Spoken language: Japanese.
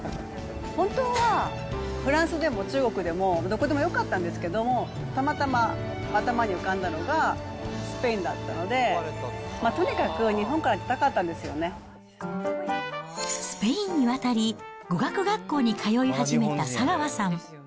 本当はフランスでも中国でも、どこでもよかったんですけども、たまたま頭に浮かんだのがスペインだったので、とにかく日本からスペインに渡り、語学学校に通い始めた佐川さん。